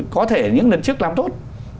có thể những lần trước làm tốt